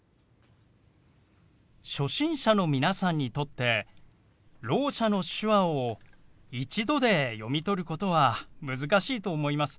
初心者の皆さんにとってろう者の手話を一度で読み取ることは難しいと思います。